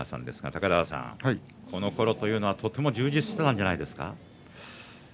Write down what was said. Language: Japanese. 高田川さん、このころというのはとても充実していたんじゃないですか？